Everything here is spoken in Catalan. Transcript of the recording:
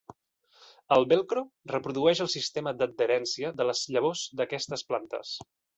El velcro reprodueix el sistema d'adherència de les llavors d'aquestes plantes.